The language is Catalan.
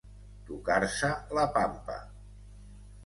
Tocar-se la pampa.